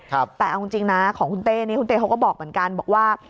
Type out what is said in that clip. แต่เอาจริงนะของคุณเต้นี้คุณเต้เขาก็บอกเหมือนกันบอกว่า